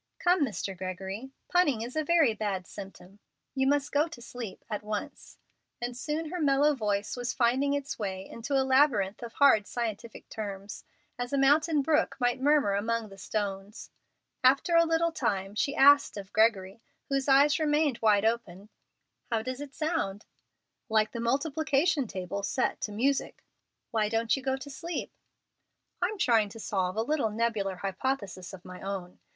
"Come, Mr. Gregory, punning is a very bad symptom. You must go to sleep at once." And soon her mellow voice was finding its way into a labyrinth of hard scientific terms, as a mountain brook might murmur among the stones. After a little time she asked of Gregory, whose eyes remained wide open, "How does it sound?" "Like the multiplication table set to music." "Why don't you go to sleep?" "I'm trying to solve a little nebular hypothesis of my own.